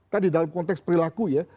tadi dalam konteks perilaku ya